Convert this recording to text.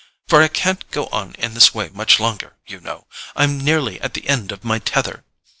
For I can't go on in this way much longer, you know—I'm nearly at the end of my tether.